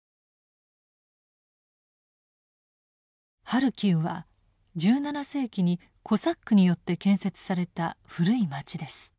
ハルキウは１７世紀にコサックによって建設された古い町です。